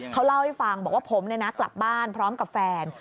เขาเล่าให้ฟังบอกว่าผมกลับบ้านพร้อมกับแฟน